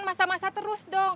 masak lima belas ribu